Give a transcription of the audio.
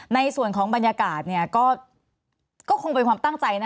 ในส่วนของบรรยากาศก็คงเป็นความตั้งใจ